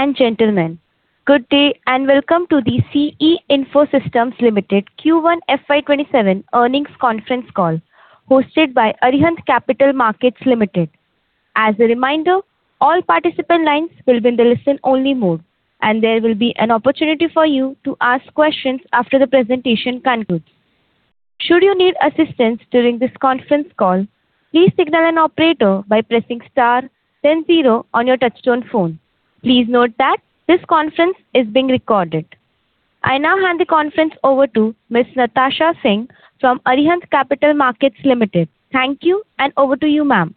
Ladies and gentlemen, good day and welcome to the C.E. Info Systems Limited Q1 FY 2027 earnings conference call hosted by Arihant Capital Markets Limited. As a reminder, all participant lines will be in the listen only mode, and there will be an opportunity for you to ask questions after the presentation concludes. Should you need assistance during this conference call, please signal an operator by pressing star then zero on your touchtone phone. Please note that this conference is being recorded. I now hand the conference over to Ms. Natasha Singh from Arihant Capital Markets Limited. Thank you, and over to you, ma'am.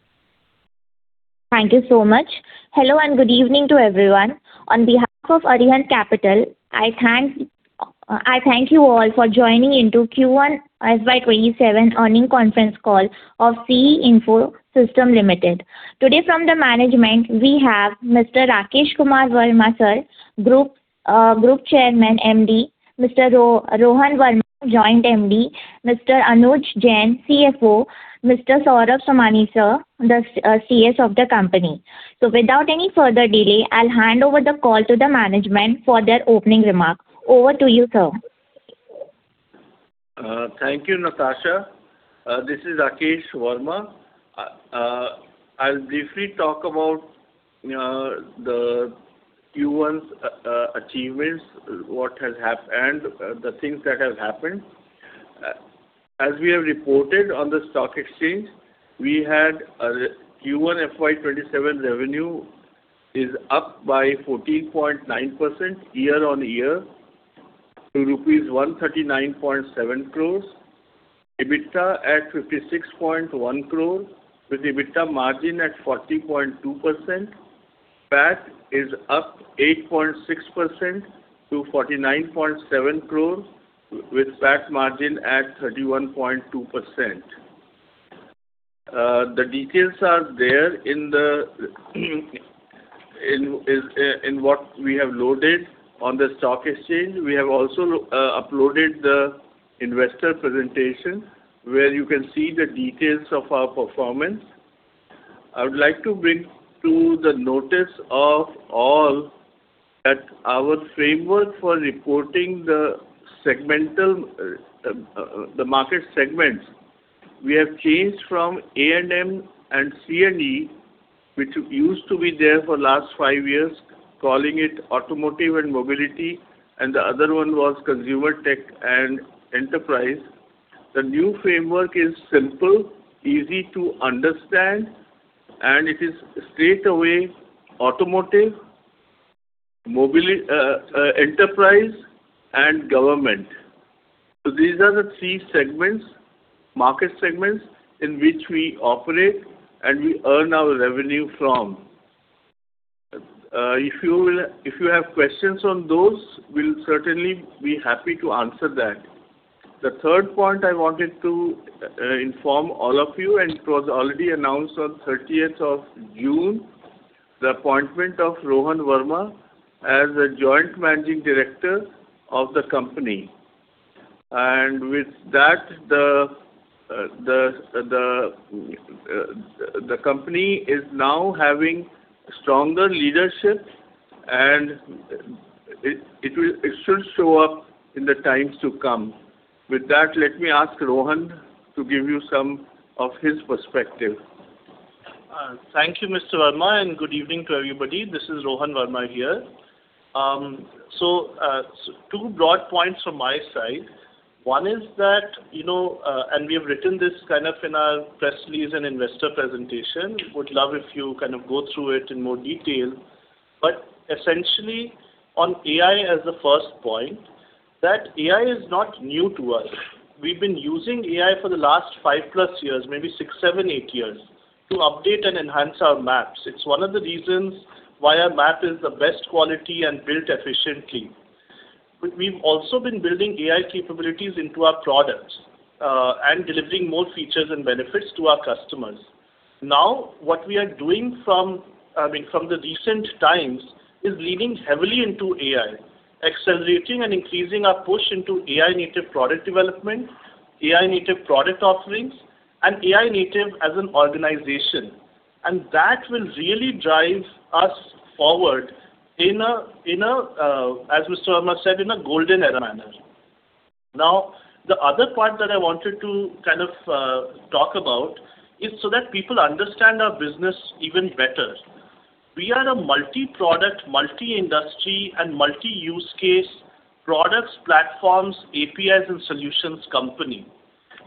Thank you so much. Hello, and good evening to everyone. On behalf of Arihant Capital, I thank you all for joining into Q1 FY 2027 earning conference call of C.E. Info Systems Limited. Today from the management, we have Mr. Rakesh Kumar Verma, sir, group chairman, MD; Mr. Rohan Verma, joint MD; Mr. Anuj Jain, CFO; Mr. Saurabh Somani, sir, the CS of the company. Without any further delay, I'll hand over the call to the management for their opening remarks. Over to you, sir. Thank you, Natasha. This is Rakesh Verma. I'll briefly talk about the Q1's achievements and the things that have happened. As we have reported on the stock exchange, we had Q1 FY 2027 revenue is up by 14.9% year-on-year to rupees 139.7 crores, EBITDA at 56.1 crore, with EBITDA margin at 40.2%. PAT is up 8.6% to 49.7 crores, with PAT margin at 31.2%. The details are there in what we have loaded on the stock exchange. We have also uploaded the investor presentation where you can see the details of our performance. I would like to bring to the notice of all that our framework for reporting the market segments, we have changed from A&M and C&E, which used to be there for last five years, calling it automotive and mobility, and the other one was consumer tech and enterprise. The new framework is simple, easy to understand, and it is straight away automotive, enterprise, and government. These are the three market segments in which we operate and we earn our revenue from. If you have questions on those, we'll certainly be happy to answer that. The third point I wanted to inform all of you, and it was already announced on 30th of June, the appointment of Rohan Verma as the joint managing director of the company. With that, the company is now having stronger leadership and it should show up in the times to come. With that, let me ask Rohan to give you some of his perspective. Thank you, Mr. Verma, and good evening to everybody. This is Rohan Verma here. Two broad points from my side. One is that, and we have written this in our press release and investor presentation, would love if you go through it in more detail. Essentially on AI as the first point, AI is not new to us. We've been using AI for the last five plus years, maybe six, seven, eight years, to update and enhance our maps. It's one of the reasons why our map is the best quality and built efficiently. We've also been building AI capabilities into our products, and delivering more features and benefits to our customers. What we are doing from the recent times is leaning heavily into AI, accelerating and increasing our push into AI native product development, AI native product offerings, and AI native as an organization. That will really drive us forward, as Mr. Verma said, in a golden era manner. The other point that I wanted to talk about is so that people understand our business even better. We are a multi-product, multi-industry, and multi-use case, products, platforms, APIs, and solutions company.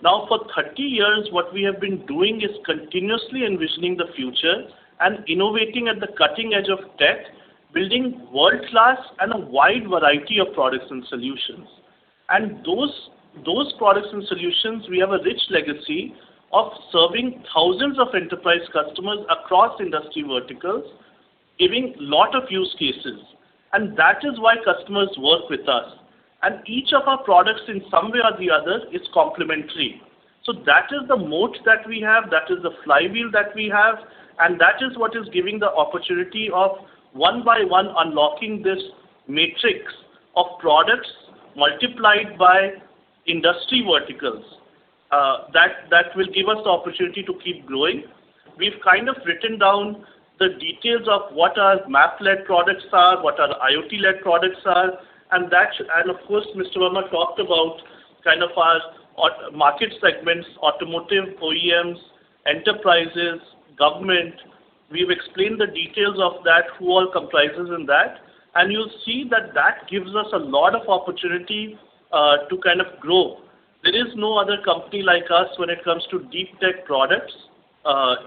For 30 years, what we have been doing is continuously envisioning the future and innovating at the cutting edge of tech, building world-class and a wide variety of products and solutions. Those products and solutions, we have a rich legacy of serving thousands of enterprise customers across industry verticals, giving lot of use cases, and that is why customers work with us. Each of our products in some way or the other is complementary. That is the moat that we have, that is the flywheel that we have, and that is what is giving the opportunity of one by one unlocking this matrix of products multiplied by industry verticals. That will give us the opportunity to keep growing. We've kind of written down the details of what our Map-led products are, what our IoT-led products are, and of course, Mr. Verma talked about our market segments, automotive, OEMs, enterprises, government. We've explained the details of that, who all comprises in that, and you'll see that that gives us a lot of opportunity to grow. There is no other company like us when it comes to deep tech products,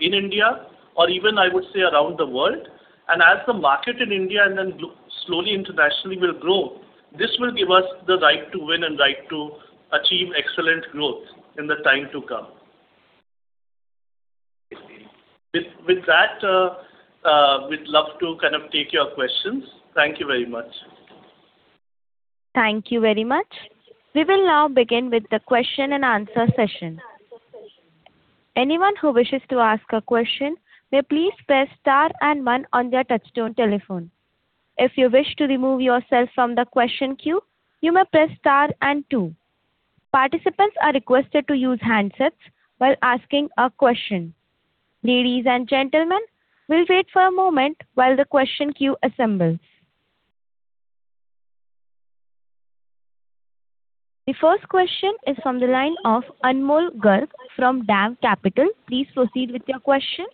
in India or even, I would say, around the world. As the market in India and then slowly internationally will grow, this will give us the right to win and right to achieve excellent growth in the time to come. With that, we'd love to take your questions. Thank you very much. Thank you very much. We will now begin with the question and answer session. Anyone who wishes to ask a question may please press star and one on their touch-tone telephone. If you wish to remove yourself from the question queue, you may press star and two. Participants are requested to use handsets while asking a question. Ladies and gentlemen, we will wait for a moment while the question queue assembles. The first question is from the line of Anmol Garg from DAM Capital. Please proceed with your question.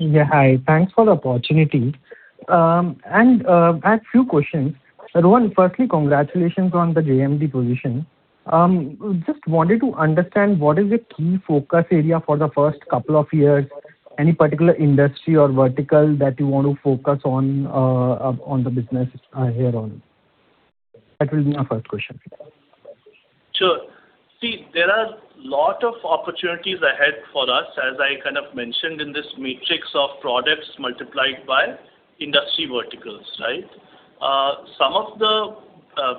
Hi. Thanks for the opportunity. I have a few questions. Rohan, firstly, congratulations on the JMD position. Just wanted to understand what is the key focus area for the first couple of years, any particular industry or vertical that you want to focus on the business herein? That will be my first question. Sure. There are lot of opportunities ahead for us, as I kind of mentioned in this matrix of products multiplied by industry verticals, right? Some of the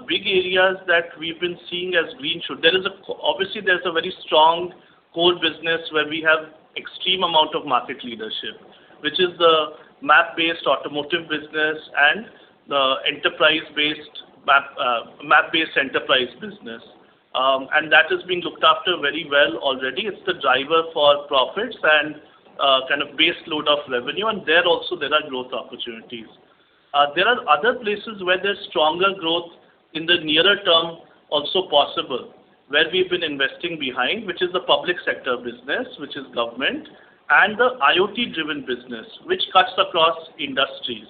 big areas that we've been seeing as green shoots. Obviously, there's a very strong core business where we have extreme amount of market leadership, which is the map-based automotive business and the map-based enterprise business. That is being looked after very well already. It's the driver for profits and kind of base load of revenue, and there also there are growth opportunities. There are other places where there's stronger growth in the nearer term also possible, where we've been investing behind, which is the public sector business, which is government, and the IoT-driven business, which cuts across industries.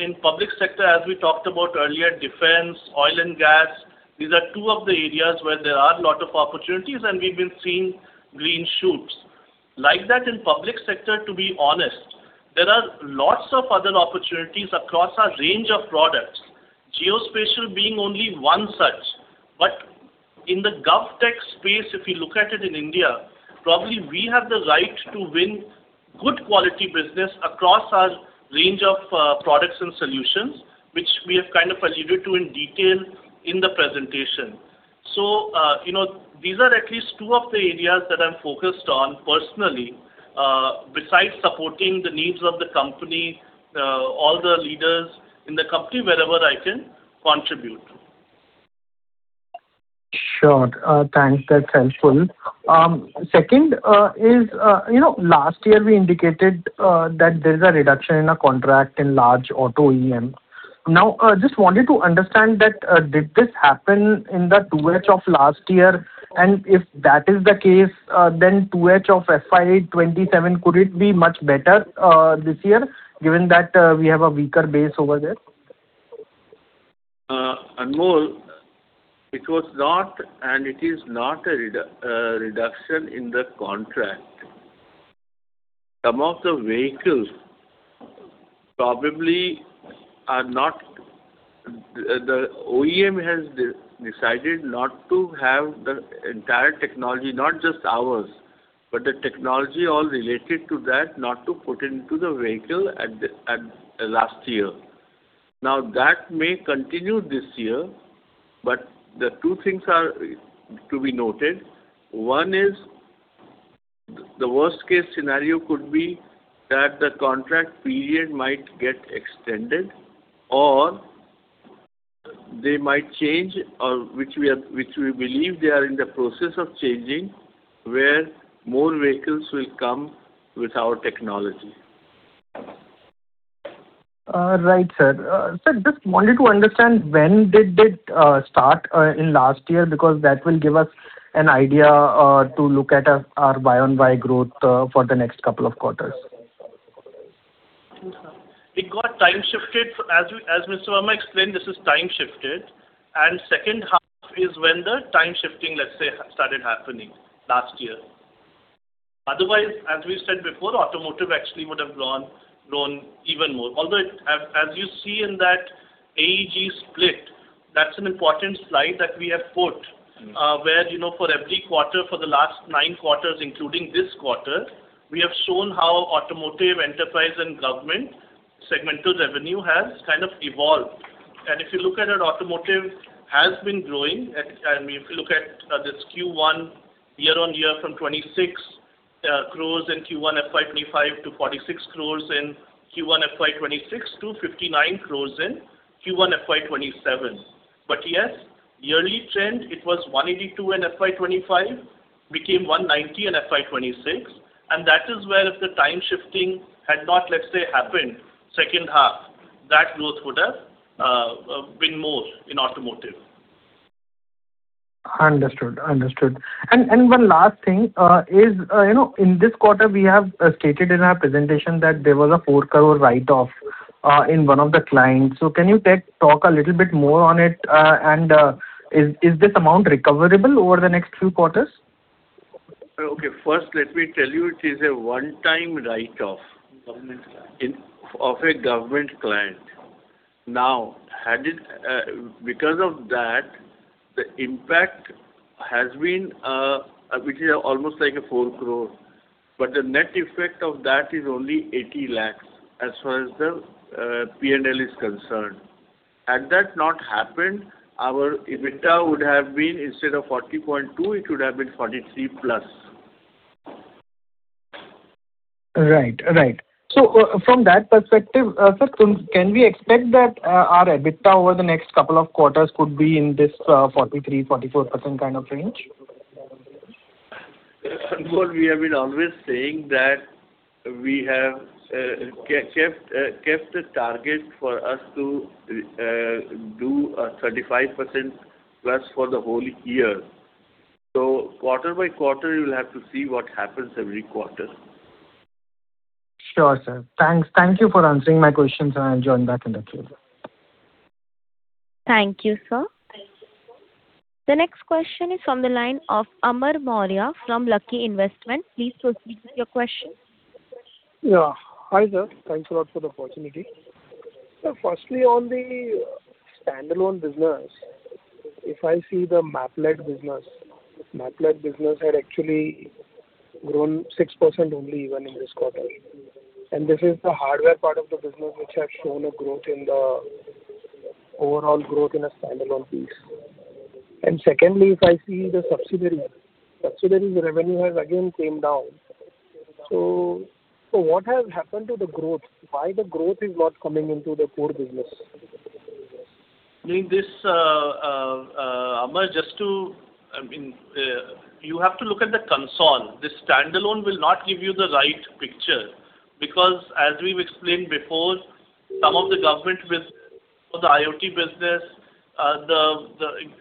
In public sector, as we talked about earlier, defense, oil and gas, these are two of the areas where there are lot of opportunities. We've been seeing green shoots. Like that, in public sector, to be honest, there are lots of other opportunities across our range of products, geospatial being only one such. In the GovTech space, if you look at it in India, probably we have the right to win good quality business across our range of products and solutions, which we have kind of alluded to in detail in the presentation. These are at least two of the areas that I'm focused on personally, besides supporting the needs of the company, all the leaders in the company, wherever I can contribute. Sure. Thanks. That's helpful. Second, just wanted to understand that, did this happen in the 2H of last year? If that is the case, then 2H of FY 2027, could it be much better this year given that we have a weaker base over there? Anmol, it was not and it is not a reduction in the contract. Some of the vehicles probably The OEM has decided not to have the entire technology, not just ours, but the technology all related to that, not to put into the vehicle at last year. That may continue this year, but the two things are to be noted. One is, the worst-case scenario could be that the contract period might get extended, or they might change, which we believe they are in the process of changing, where more vehicles will come with our technology. Right, sir. Sir, just wanted to understand when did it start in last year, because that will give us an idea to look at our year-on-year growth for the next couple of quarters. It got time-shifted. As Mr. Verma explained, this is time-shifted, and second half is when the time-shifting, let's say, started happening last year. Otherwise, as we said before, automotive actually would have grown even more. Although, as you see in that AEG split, that's an important slide that we have put, where for every quarter for the last nine quarters, including this quarter, we have shown how automotive, enterprise, and government segmental revenue has kind of evolved. If you look at it, automotive has been growing. If you look at this Q1 year-on-year from 26 crores in Q1 FY 2025 to 46 crores in Q1 FY 2026 to 59 crores in Q1 FY 2027. Yes, yearly trend, it was 182 in FY 2025, became 190 in FY 2026, that is where if the time shifting had not, let's say, happened second half, that growth would have been more in automotive. Understood. One last thing is, in this quarter, we have stated in our presentation that there was an 4 crore write-off in one of the clients. Can you talk a little bit more on it, and is this amount recoverable over the next few quarters? Okay. First, let me tell you, it is a one-time write-off. Government client. of a government client. Because of that, the impact has been almost like an 4 crore. But the net effect of that is only 80 lakhs as far as the P&L is concerned. Had that not happened, our EBITDA would have been, instead of 40.2%, it would have been 43%+. From that perspective, sir, can we expect that our EBITDA over the next couple of quarters could be in this 43%-44% kind of range? Sankalp, we have been always saying that we have kept a target for us to do a 35%+ for the whole year. Quarter by quarter, you will have to see what happens every quarter. Sure, sir. Thanks. Thank you for answering my questions, I will join back in the queue. Thank you, sir. The next question is from the line of Amar Maurya from Lucky Investment. Please proceed with your question. Yeah. Hi, sir. Thanks a lot for the opportunity. Sir, firstly, on the standalone business, if I see the Map-led business, Map-led business had actually grown 6% only even in this quarter. This is the hardware part of the business which has shown a growth in the overall growth in a standalone piece. Secondly, if I see the subsidiary's revenue has again came down. What has happened to the growth? Why the growth is not coming into the core business? I mean, Amar, you have to look at the consol. The standalone will not give you the right picture because as we've explained before, some of the government business or the IoT business,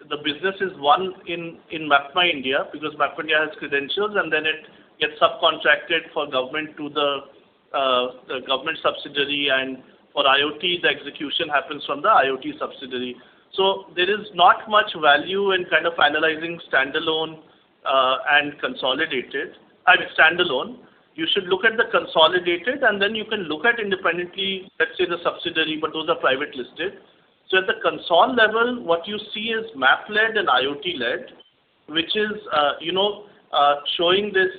the business is one in MapmyIndia, because MapmyIndia has credentials, then it gets subcontracted for government to the government subsidiary, and for IoT, the execution happens from the IoT subsidiary. There is not much value in kind of analyzing standalone and consolidated. I mean, standalone. You should look at the consolidated, then you can look at independently, let's say, the subsidiary, but those are private listed. At the consol level, what you see is Map-led and IoT-led, which is showing this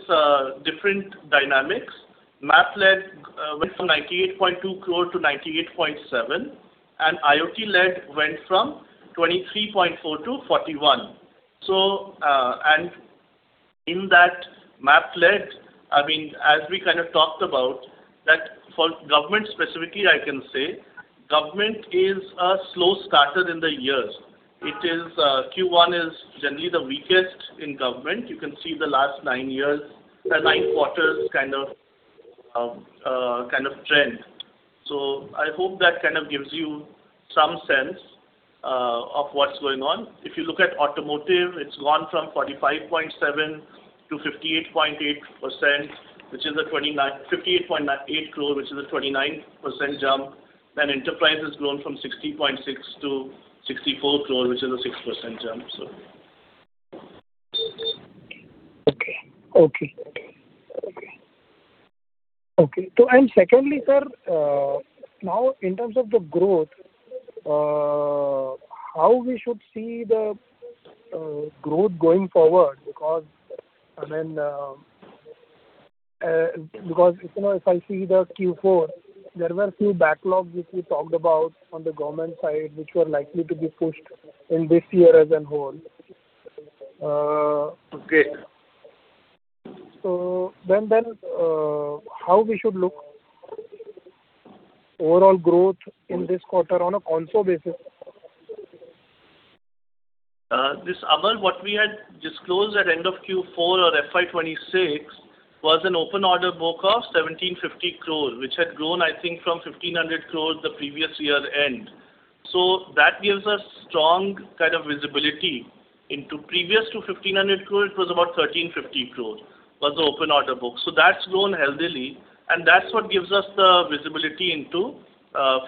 different dynamics. Map-led went from 98.2 crore to 98.7, and IoT-led went from 23.4 to 41. In that Map-led, as we kind of talked about, that for government specifically, I can say, government is a slow starter in the years. Q1 is generally the weakest in government. You can see the last nine quarters kind of trend. I hope that kind of gives you some sense of what's going on. If you look at automotive, it's gone from 45.7 to 58.8 crore, which is a 29% jump. Enterprise has grown from 60.6 to 64 crore, which is a 6% jump. Okay. Secondly, sir, now in terms of the growth, how we should see the growth going forward? If I see the Q4, there were few backlogs which we talked about on the government side, which were likely to be pushed in this year as a whole. Okay. How we should look overall growth in this quarter on a consol basis? Amar, what we had disclosed at end of Q4 or FY 2026 was an open order book of 1,750 crore, which had grown, I think, from 1,500 crore the previous year end. That gives us strong kind of visibility into previous to 1,500 crore, it was about 1,350 crore was the open order book. That's grown healthily, and that's what gives us the visibility into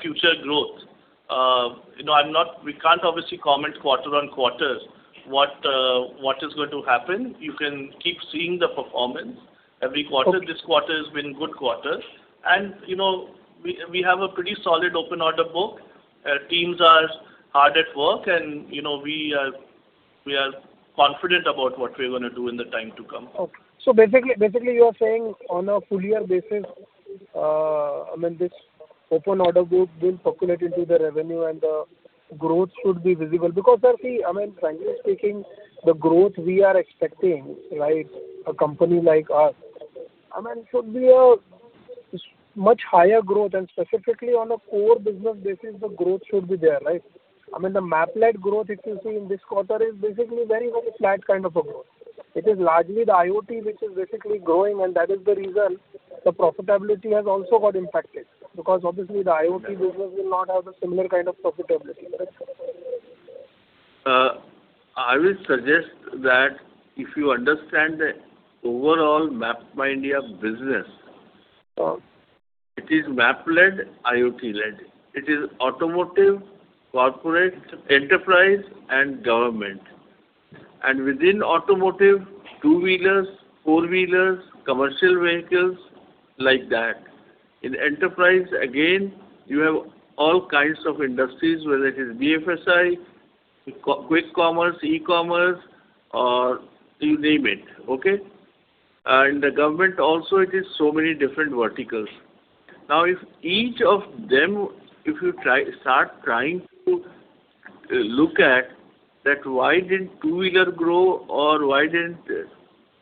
future growth. We can't obviously comment quarter-on-quarter what is going to happen. You can keep seeing the performance every quarter. Okay. This quarter has been good quarter. We have a pretty solid open order book. Teams are hard at work, and we are confident about what we're going to do in the time to come. Basically, you are saying on a full year basis I mean, this open order book will populate into the revenue, and the growth should be visible. Sir, frankly speaking, the growth we are expecting, a company like us, should be a much higher growth and specifically on a core business basis, the growth should be there, right? I mean, the map-led growth if you see in this quarter is basically very, very flat kind of a growth. It is largely the IoT which is basically growing, and that is the reason the profitability has also got impacted, because obviously the IoT business will not have the similar kind of profitability, correct? I will suggest that if you understand the overall MapmyIndia business- Sure It is map-led, IoT-led. It is automotive, corporate, enterprise, and government. Within automotive, two-wheelers, four-wheelers, commercial vehicles, like that. In enterprise, again, you have all kinds of industries, whether it is BFSI, quick commerce, e-commerce, or you name it. Okay? In the government also, it is so many different verticals. If each of them, if you start trying to look at why didn't two-wheeler grow or why didn't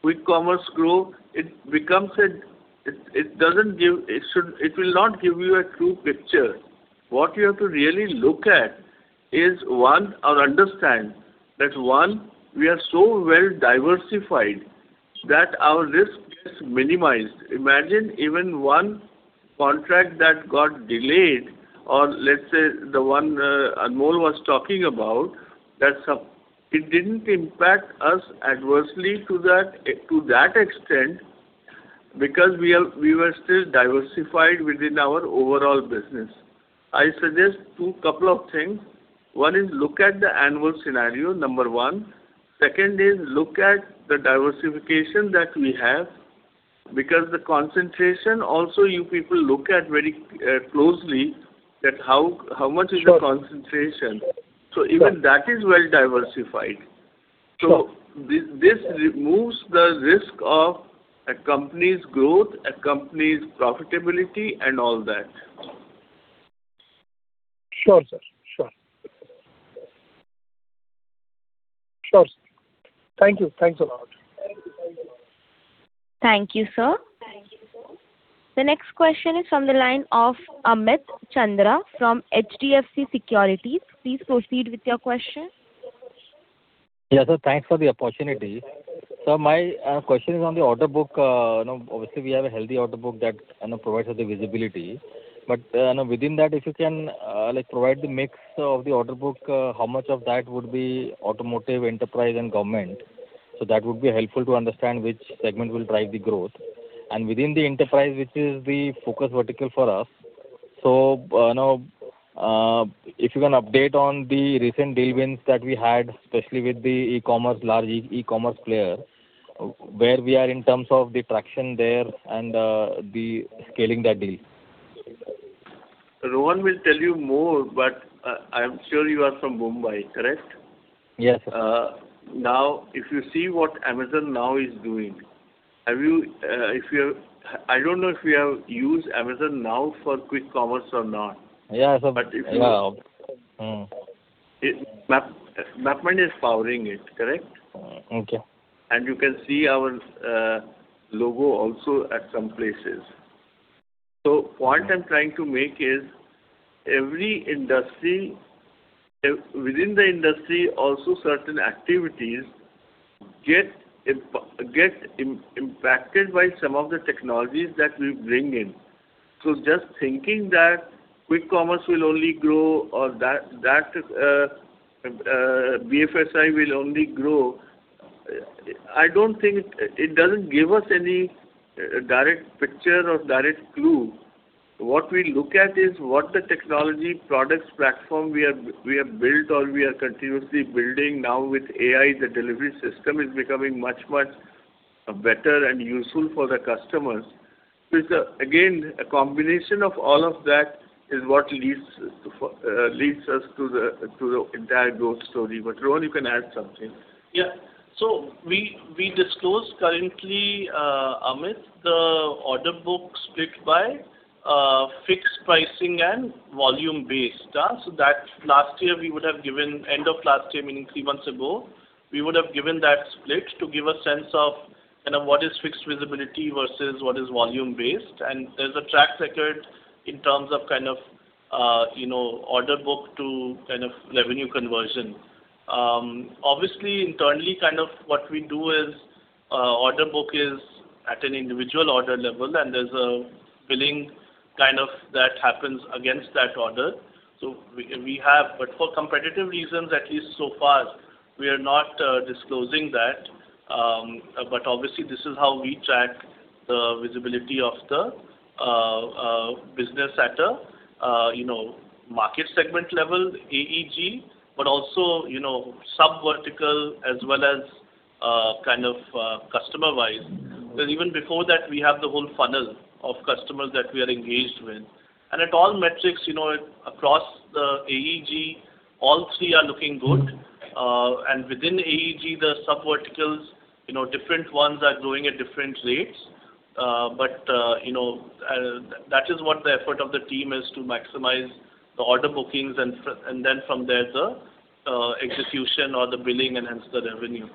quick commerce grow, it will not give you a true picture. What you have to really look at is, one, or understand that, one, we are so well-diversified that our risk gets minimized. Imagine even one contract that got delayed or let's say the one Anmol was talking about; it didn't impact us adversely to that extent because we were still diversified within our overall business. I suggest two couple of things. One is look at the annual scenario, number one. Second is look at the diversification that we have, because the concentration also you people look at very closely that how much is- Sure the concentration. Even that is well diversified. This removes the risk of a company's growth, a company's profitability and all that. Sure, sir. Sure. Sure, sir. Thank you. Thanks a lot. Thank you, sir. The next question is from the line of Amit Chandra from HDFC Securities. Please proceed with your question. Thanks for the opportunity. My question is on the order book. Obviously, we have a healthy order book that provides us the visibility. Within that, if you can provide the mix of the order book, how much of that would be automotive, enterprise, and government? That would be helpful to understand which segment will drive the growth. Within the enterprise, which is the focus vertical for us, if you can update on the recent deal wins that we had, especially with the large e-commerce player, where we are in terms of the traction there and the scaling that deal. Rohan will tell you more, I am sure you are from Mumbai, correct? Yes. If you see what Amazon now is doing. I don't know if you have used Amazon now for quick commerce or not. Yeah. Mapmy is powering it, correct? Okay. You can see our logo also at some places. Point I'm trying to make is, within the industry also certain activities get impacted by some of the technologies that we bring in. Just thinking that quick commerce will only grow or that BFSI will only grow, it doesn't give us any direct picture or direct clue. What we look at is what the technology products platform we have built or we are continuously building now with AI, the delivery system is becoming much, much better and useful for the customers. It's, again, a combination of all of that is what leads us to the entire growth story. Rohan, you can add something. We disclose currently, Amit, the order book split by fixed pricing and volume-based. That end of last year, meaning three months ago, we would have given that split to give a sense of what is fixed visibility versus what is volume-based. There's a track record in terms of order book to revenue conversion. Obviously, internally, what we do is order book is at an individual order level, and there's a billing that happens against that order. For competitive reasons, at least so far, we are not disclosing that. Obviously this is how we track the visibility of the business at a market segment level, AEG, also sub-vertical as well as customer-wise. Even before that, we have the whole funnel of customers that we are engaged with. At all metrics across the AEG, all three are looking good. Within AEG, the sub verticals, different ones are growing at different rates. That is what the effort of the team is, to maximize the order bookings, and then from there, the execution or the billing enhance the revenue.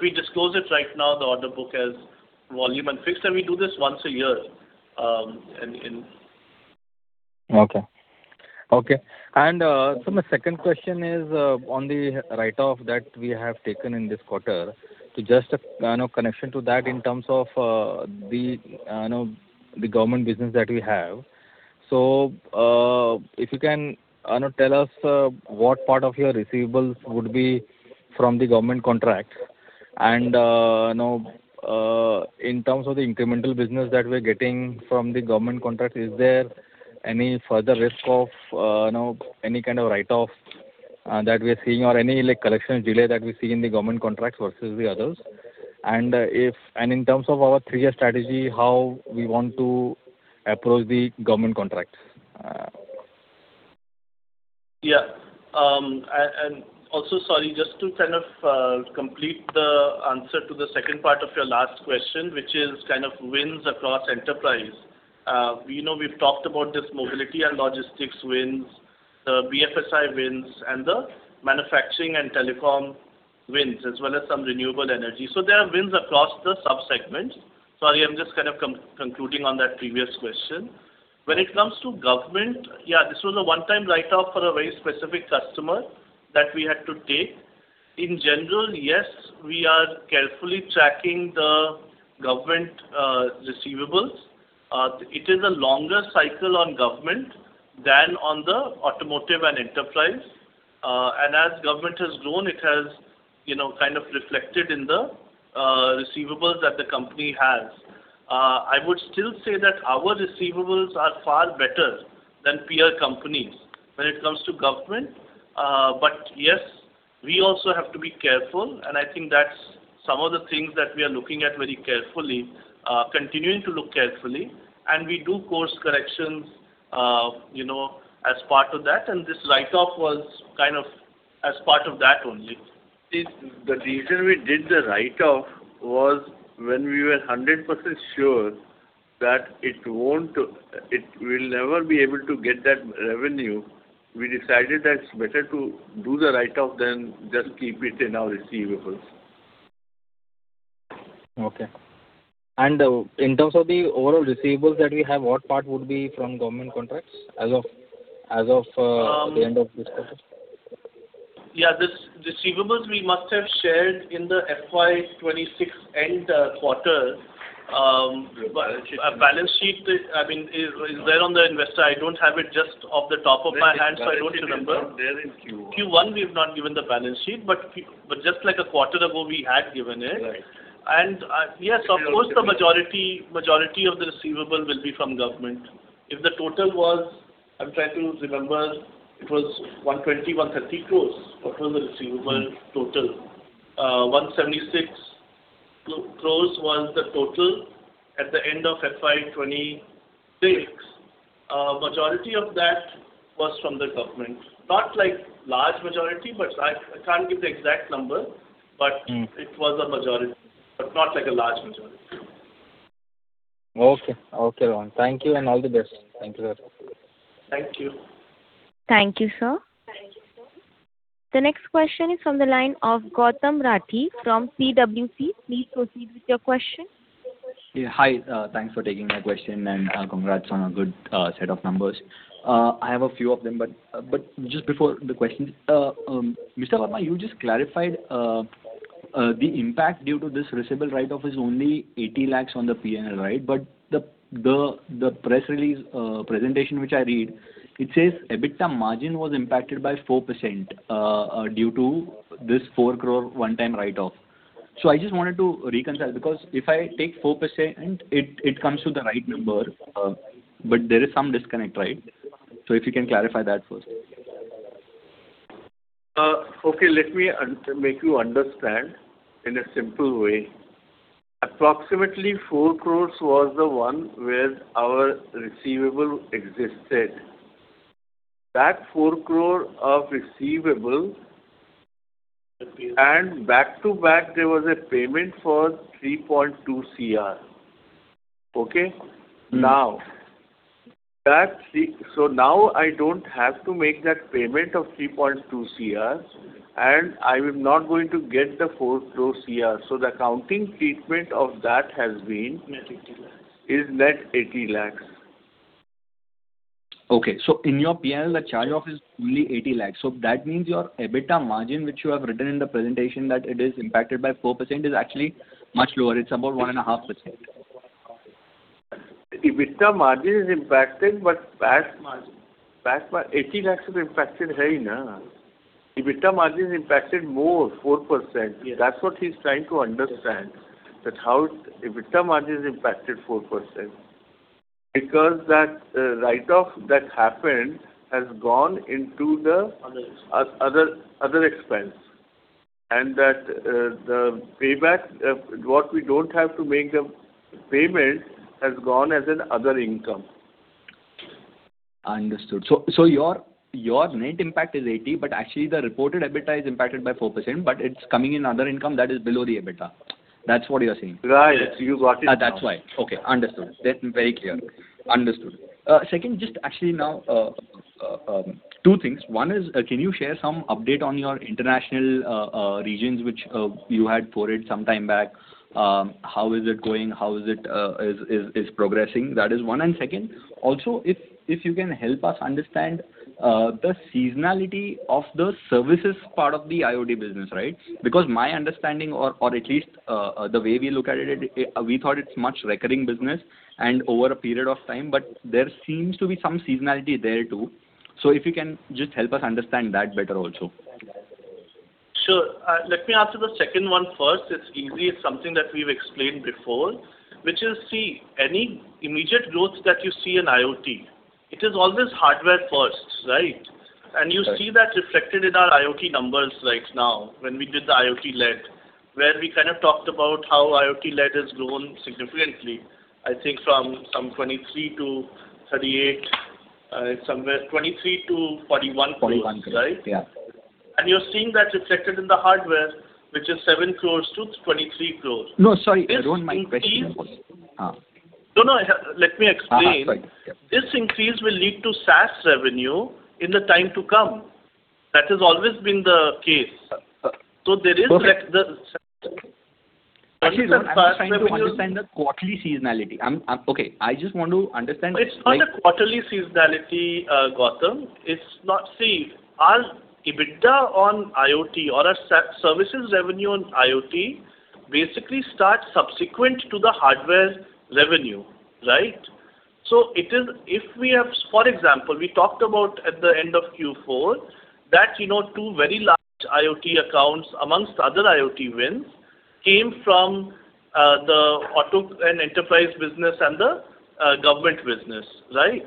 We disclose it right now, the order book as volume and fix, and we do this once a year. Okay. My second question is, on the write-off that we have taken in this quarter, just a connection to that in terms of the government business that we have. If you can tell us what part of your receivables would be from the government contracts and in terms of the incremental business that we're getting from the government contracts, is there any further risk of any kind of write-off that we are seeing or any collection delay that we see in the government contracts versus the others? In terms of our three-year strategy, how we want to approach the government contracts? Yeah. Sorry, just to kind of complete the answer to the second part of your last question, which is kind of wins across enterprise. We've talked about this mobility and logistics wins, the BFSI wins, and the manufacturing and telecom wins, as well as some renewable energy. They are wins across the sub-segments. Sorry, I'm just kind of concluding on that previous question. When it comes to government, yeah, this was a one-time write-off for a very specific customer that we had to take. In general, yes, we are carefully tracking the government receivables. It is a longer cycle on government than on the automotive and enterprise. As government has grown, it has kind of reflected in the receivables that the company has. I would still say that our receivables are far better than peer companies when it comes to government. Yes, we also have to be careful, and I think that's some of the things that we are looking at very carefully, continuing to look carefully, and we do course corrections as part of that, and this write-off was kind of as part of that only. The reason we did the write-off was when we were 100% sure that we'll never be able to get that revenue. We decided that it's better to do the write-off than just keep it in our receivables. In terms of the overall receivables that we have, what part would be from government contracts as of the end of this quarter? The receivables we must have shared in the FY 2026 end quarter. A balance sheet is there on the investor. I don't have it just off the top of my head, so I don't remember. There in Q1. Q1, we've not given the balance sheet. Just like a quarter ago, we had given it. Right. Yes, of course, the majority of the receivable will be from government. If the total was, I'm trying to remember, it was 120 crore, 130 crore was the receivable total. 176 crore was the total at the end of FY 2026. Majority of that was from the government. Not like large majority. I can't give the exact number. It was a majority, but not like a large majority. Okay. Okay, Rohan. Thank you, and all the best. Thank you. Thank you. Thank you, sir. The next question is from the line of Gautam Rathi from CWC. Please proceed with your question. Yeah. Hi. Thanks for taking my question, and congrats on a good set of numbers. I have a few of them, but just before the questions. Mr. Verma, you just clarified the impact due to this receivable write-off is only 80 lakhs on the P&L, right? The press release presentation which I read, it says EBITDA margin was impacted by 4% due to this 4 crore one-time write-off. I just wanted to reconcile, because if I take 4%, it comes to the right number, but there is some disconnect, right? If you can clarify that first. Okay. Let me make you understand in a simple way. Approximately 4 crores was the one where our receivable existed. That INR 4 crore of receivable, and back to back, there was a payment for 3.2 crore. Okay. Now I don't have to make that payment of 3.2 crore, and I'm not going to get the 4 crore. The accounting treatment of that has been- Net INR 80 lakhs is net 80 lakhs. Okay. In your P&L, the charge-off is only 80 lakhs. That means your EBITDA margin, which you have written in the presentation that it is impacted by 4%, is actually much lower. It's about 1.5%. EBITDA margin is impacted, but EBITDA margin INR 80 lakhs is impacted. EBITDA margin is impacted more, 4%. That's what he's trying to understand, that how EBITDA margin is impacted 4%. That write-off that happened has gone into the Other expense and That the payback, what we don't have to make the payment has gone as an other income. Understood. Your net impact is 80, but actually the reported EBITDA is impacted by 4%, but it's coming in other income that is below the EBITDA. That's what you're saying. Right. You got it now. That's why. Okay. Understood. Very clear. Understood. Second, just actually now, two things. One is, can you share some update on your international regions, which you had forwarded some time back? How is it going? How is it progressing? That is one. Second, also if you can help us understand the seasonality of the services part of the IoT business, right? My understanding or at least the way we look at it, we thought it's much recurring business and over a period of time, but there seems to be some seasonality there, too. If you can just help us understand that better also. Sure. Let me answer the second one first. It's easy. It's something that we've explained before, which is, see, any immediate growth that you see in IoT, it is always hardware first, right? Right. You see that reflected in our IoT numbers right now when we did the IoT LED, where we kind of talked about how IoT LED has grown significantly, I think from some 23-38. It's somewhere 23 crores-41 crores. INR 41 crores. Yeah. Right? You're seeing that reflected in the hardware, which is seven crores-23 crores. No, sorry. One more question. No, let me explain. Sorry. Yeah. This increase will lead to SaaS revenue in the time to come. That has always been the case. Okay. Actually, I'm just trying to understand the quarterly seasonality. Okay. I just want to understand. It's not a quarterly seasonality, Gautam. See, our EBITDA on IoT or our services revenue on IoT basically start subsequent to the hardware revenue, right? For example, we talked about at the end of Q4 that two very large IoT accounts amongst other IoT wins came from the auto and enterprise business and the government business, right?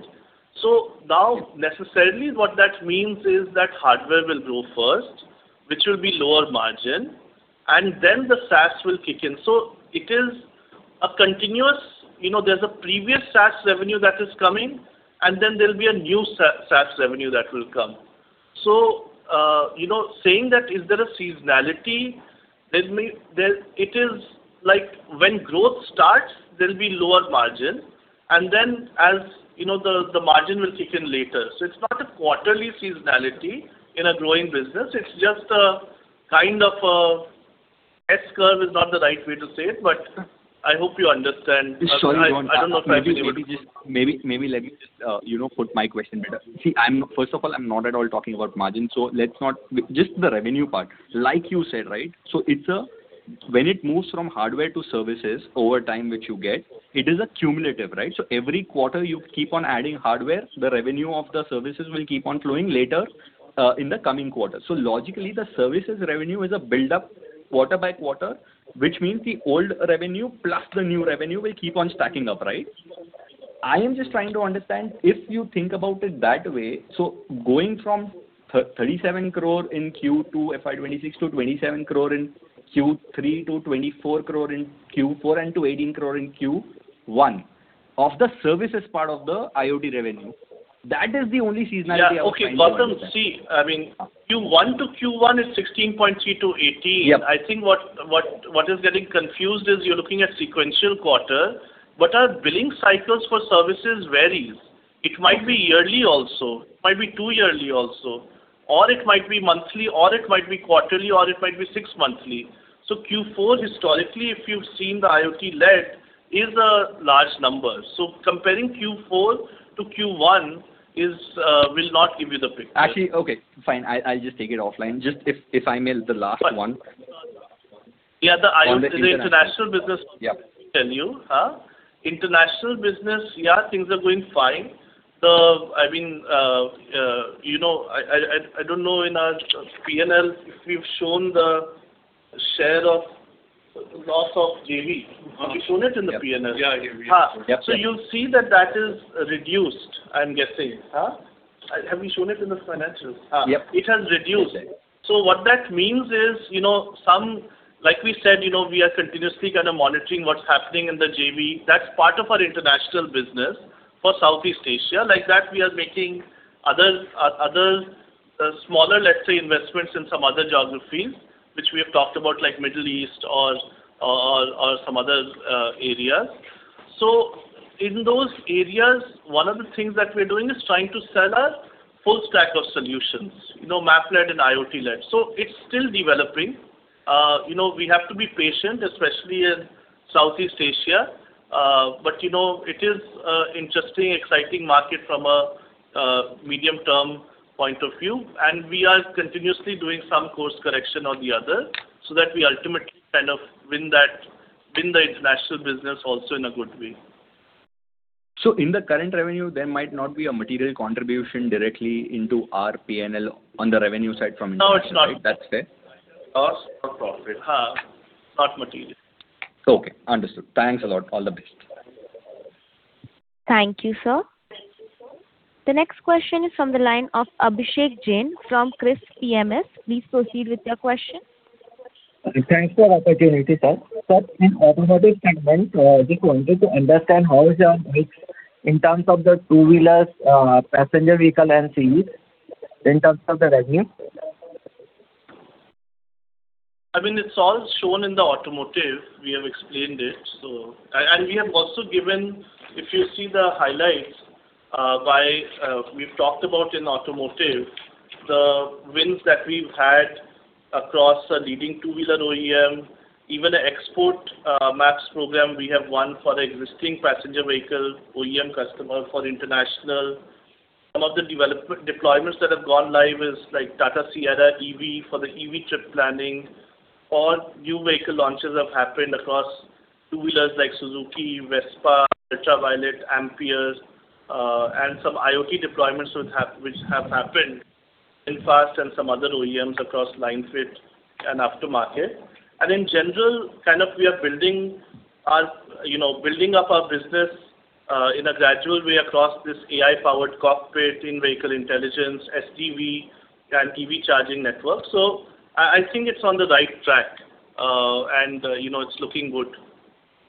Now necessarily what that means is that hardware will grow first, which will be lower margin, and then the SaaS will kick in. There's a previous SaaS revenue that is coming, and then there'll be a new SaaS revenue that will come. Saying that, is there a seasonality? When growth starts, there'll be lower margin and then the margin will kick in later. It's not a quarterly seasonality in a growing business. It's just a kind of, S-curve is not the right way to say it, but I hope you understand. Sorry to interrupt. Maybe let me just put my question better. First of all, I'm not at all talking about margin, so let's not. Just the revenue part. Like you said, right? When it moves from hardware to services over time, which you get, it is a cumulative, right? Every quarter you keep on adding hardware, the revenue of the services will keep on flowing later, in the coming quarter. Logically, the services revenue is a buildup quarter by quarter, which means the old revenue plus the new revenue will keep on stacking up, right? I am just trying to understand if you think about it that way. Going from 37 crore in Q2 FY 2026 to 27 crore in Q3 to 24 crore in Q4 and to 18 crore in Q1 of the services part of the IoT revenue. That is the only seasonality I was trying to understand. Yeah. Okay, Gautam. See, Q1 to Q1 is 16.3 to 18. I think what is getting confused is you are looking at sequential quarter, but our billing cycles for services varies. It might be yearly also, it might be two yearly also, or it might be monthly, or it might be quarterly, or it might be six monthly. Q4 historically, if you have seen the IoT-led is a large number. Comparing Q4 to Q1 will not give you the picture. Actually, okay, fine. I will just take it offline. Just if I may, the last one. Yeah, the international business. Yeah. -tell you. International business, yeah, things are going fine. I don't know in our P&L if we've shown the share of loss of JV. Have we shown it in the P&L? Yeah. You'll see that that is reduced, I'm guessing. Have we shown it in the financials? Yep. It has reduced. What that means is, like we said, we are continuously kind of monitoring what's happening in the JV. That's part of our international business for Southeast Asia. Like that we are making other smaller, let's say, investments in some other geographies, which we have talked about, like Middle East or some other areas. In those areas, one of the things that we're doing is trying to sell a full stack of solutions, Map-led and IoT-led. It's still developing. We have to be patient, especially in Southeast Asia. It is interesting, exciting market from a medium-term point of view. We are continuously doing some course correction or the other so that we ultimately kind of win the international business also in a good way. In the current revenue, there might not be a material contribution directly into our P&L on the revenue side from international. No, it's not. That's fair. Loss or profit. Not material. Okay. Understood. Thanks a lot. All the best. Thank you, sir. The next question is from the line of Abhishek Jain from Crisp PMS. Please proceed with your question. Thanks for the opportunity, sir. Sir, in automotive segment, I just wanted to understand how is your mix in terms of the two-wheelers, passenger vehicle, and CV in terms of the revenue? It's all shown in the automotive. We have explained it. We have also given, if you see the highlights, we've talked about in automotive, the wins that we've had across a leading two-wheeler OEM. Even an export maps program we have won for the existing passenger vehicle OEM customer for international. Some of the deployments that have gone live is like Tata Sierra EV for the EV trip planning or new vehicle launches have happened across two-wheelers like Suzuki, Vespa Ultraviolette, Ampere, and some IoT deployments which have happened in VinFast and some other OEMs across line fit and aftermarket. In general, we are building up our business in a gradual way across this AI-powered cockpit in vehicle intelligence, SDV, and EV charging network. I think it's on the right track, and it's looking good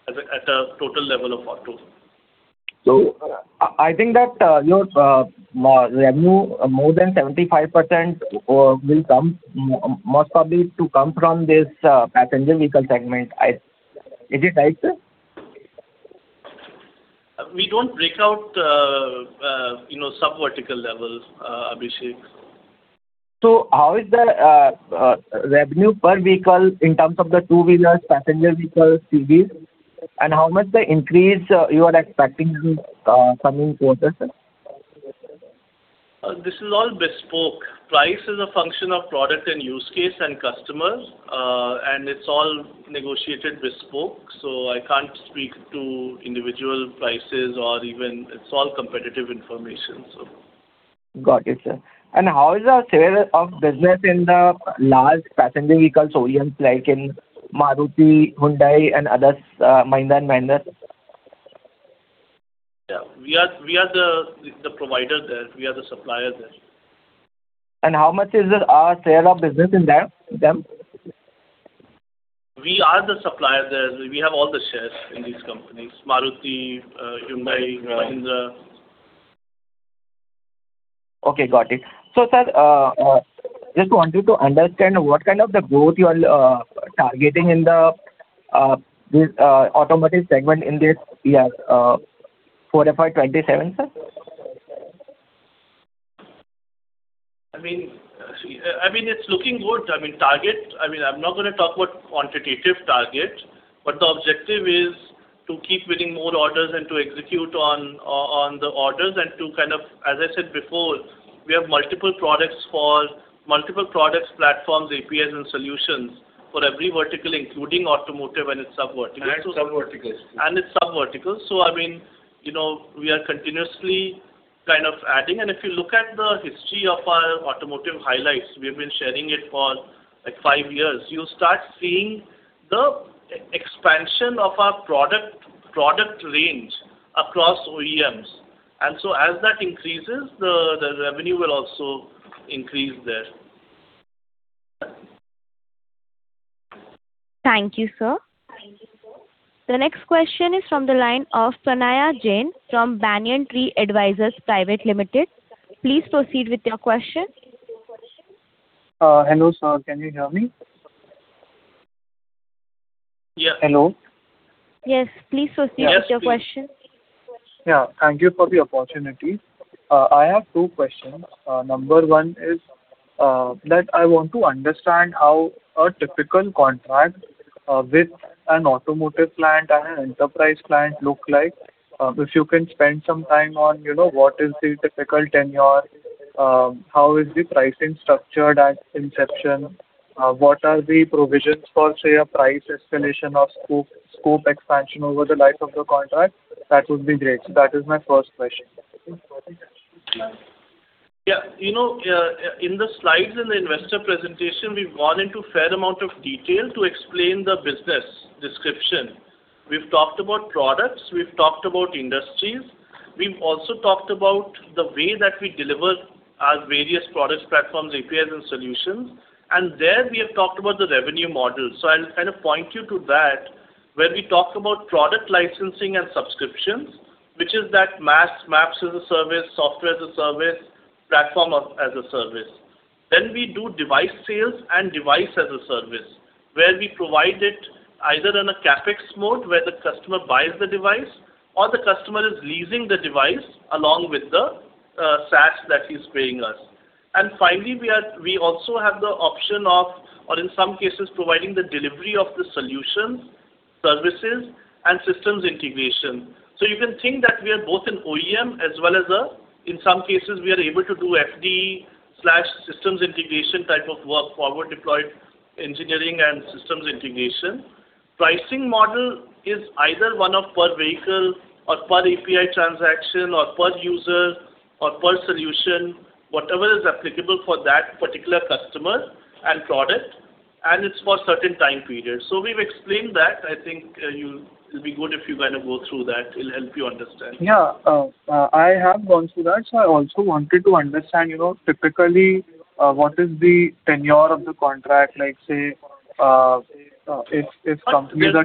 at a total level of autos. I think that your revenue, more than 75% will most probably come from this passenger vehicle segment. Is it right, sir? We don't break out sub-vertical levels, Abhishek. How is the revenue per vehicle in terms of the two-wheelers, passenger vehicles, CVs? How much the increase you are expecting this coming quarter, sir? This is all bespoke. Price is a function of product in use case and customers, and it's all negotiated bespoke, so I can't speak to individual prices. It's all competitive information. Got it, sir. How is the share of business in the large passenger vehicles OEM like in Maruti, Hyundai, and others, Mahindra and Mahindra? Yeah. We are the provider there. We are the supplier there. How much is our share of business in them? We are the supplier there. We have all the shares in these companies, Maruti, Hyundai, Mahindra. Okay, got it. Sir, just wanted to understand what kind of the growth you are targeting in this automotive segment in this year for FY 2027, sir? It's looking good. I'm not going to talk about quantitative target, but the objective is to keep winning more orders and to execute on the orders and to, as I said before, we have multiple products platforms, APIs, and solutions for every vertical including automotive and its sub-verticals. Its sub-verticals. We are continuously adding. If you look at the history of our automotive highlights, we've been sharing it for five years. You'll start seeing the expansion of our product range across OEMs. As that increases, the revenue will also increase there. Thank you, sir. The next question is from the line of Pranaya Jain from Banyan Tree Advisors Private Limited. Please proceed with your question. Hello, sir. Can you hear me? Yeah. Hello. Yes. Please proceed with your question. Yeah. Thank you for the opportunity. I have two questions. Number one is that I want to understand how a typical contract with an automotive client and an enterprise client look like. If you can spend some time on what is the typical tenure, how is the pricing structured at inception, what are the provisions for, say, a price escalation or scope expansion over the life of the contract, that would be great. That is my first question. Yeah. In the slides in the investor presentation, we've gone into a fair amount of detail to explain the business description. We've talked about products, we've talked about industries. We've also talked about the way that we deliver our various products, platforms, APIs, and solutions. There we have talked about the revenue model. So I'll point you to that, where we talk about product licensing and subscriptions, which is that MaaS, maps as a service, software as a service, platform as a service. Then we do device sales and device as a service, where we provide it either in a CapEx mode where the customer buys the device or the customer is leasing the device along with the SaaS that he's paying us. Finally, we also have the option of, or in some cases, providing the delivery of the solutions, services, and systems integration. You can think that we are both an OEM as well as a, in some cases, we are able to do FDE/systems integration type of work, forward deployed engineering and systems integration. Pricing model is either one of per vehicle or per API transaction or per user or per solution, whatever is applicable for that particular customer and product, and it is for certain time periods. We have explained that. I think it will be good if you go through that. It will help you understand. Yeah. I have gone through that. I also wanted to understand, typically, what is the tenure of the contract, like, say, if company- There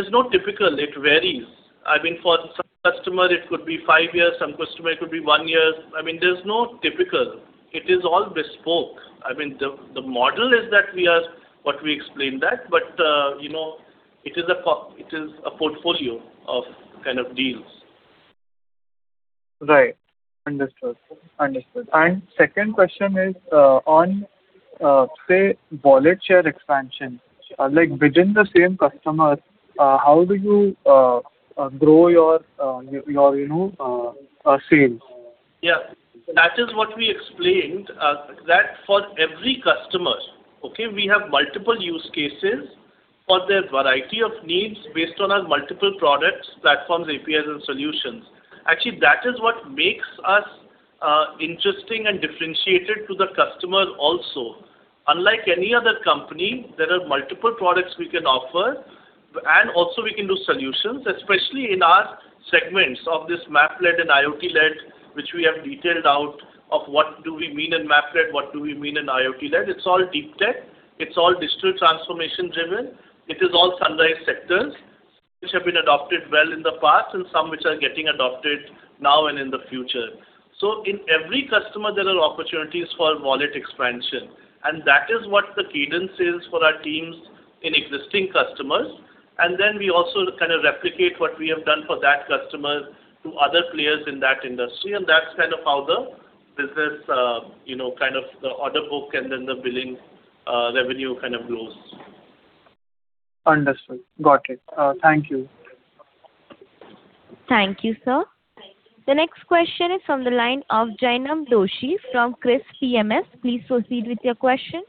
is no typical, it varies. For some customer it could be five years, some customer it could be one year. There is no typical. It is all bespoke. The model is what we explained that, but it is a portfolio of deals. Right. Understood. Second question is on, say, wallet share expansion. Within the same customer, how do you grow your sales? Yeah. That is what we explained, that for every customer, okay, we have multiple use cases for their variety of needs based on our multiple products, platforms, APIs, and solutions. Actually, that is what makes us interesting and differentiated to the customer also. Unlike any other company, there are multiple products we can offer, and also, we can do solutions, especially in our segments of this Map-led and IoT-led, which we have detailed out of what do we mean in Map-led, what do we mean in IoT-led. It's all deep tech. It's all digital transformation driven. It is all sunrise sectors, which have been adopted well in the past and some which are getting adopted now and in the future. In every customer there are opportunities for wallet expansion, and that is what the cadence is for our teams in existing customers. We also replicate what we have done for that customer to other players in that industry, and that's how the business, the order book and then the billing revenue grows. Understood. Got it. Thank you. Thank you, sir. The next question is from the line of Jainam Doshi from Crisp PMS. Please proceed with your question.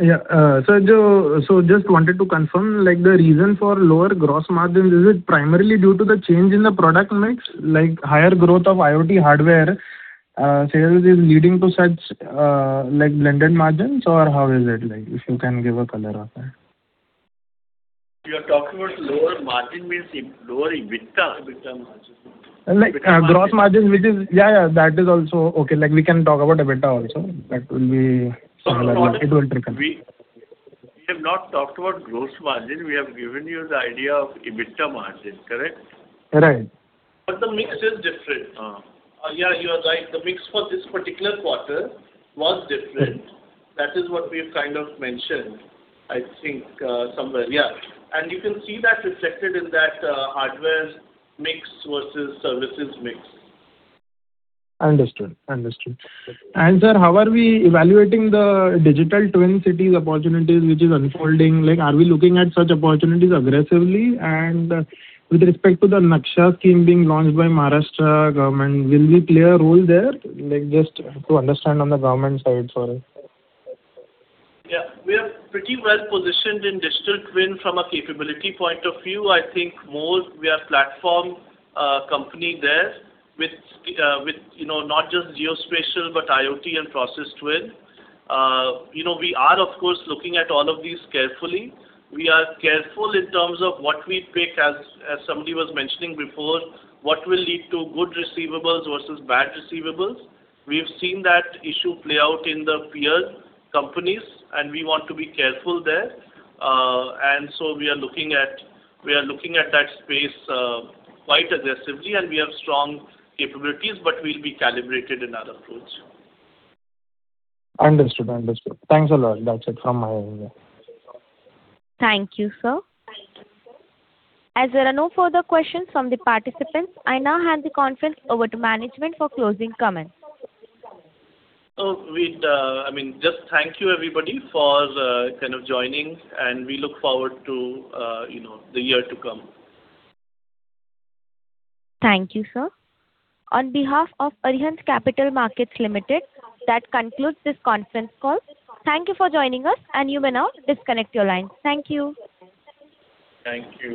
Yeah. Just wanted to confirm, the reason for lower gross margins, is it primarily due to the change in the product mix, like higher growth of IoT hardware sales is leading to such blended margins, or how is it? If you can give a color of that. You're talking about lower margin means lower EBITDA margin. Like gross margin. Yeah, that is also okay. We can talk about EBITDA also. It will trickle. We have not talked about gross margin. We have given you the idea of EBITDA margin. Correct? Right. The mix is different. You are right. The mix for this particular quarter was different. That is what we've mentioned, I think, somewhere. You can see that reflected in that hardware mix versus services mix. Understood. Sir, how are we evaluating the digital twin cities opportunities which is unfolding? Are we looking at such opportunities aggressively? With respect to the NAKSHA scheme being launched by Maharashtra government, will we play a role there? Just to understand on the government side for it. We are pretty well-positioned in digital twin from a capability point of view. I think more we are platform company there with not just geospatial, but IoT and process twin. We are, of course, looking at all of these carefully. We are careful in terms of what we pick, as somebody was mentioning before, what will lead to good receivables versus bad receivables. We have seen that issue play out in the peer companies, and we want to be careful there. We are looking at that space quite aggressively, and we have strong capabilities, but we'll be calibrated in our approach. Understood. Thanks a lot. That's it from my end, yeah. Thank you, sir. As there are no further questions from the participants, I now hand the conference over to management for closing comments. Just thank you everybody for joining, and we look forward to the year to come. Thank you, sir. On behalf of Arihant Capital Markets Limited, that concludes this conference call. Thank you for joining us, and you may now disconnect your line. Thank you. Thank you.